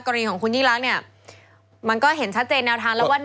กรณีของคุณยิ่งรักเนี่ยมันก็เห็นชัดเจนแนวทางแล้วว่า